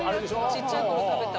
小っちゃい頃食べた。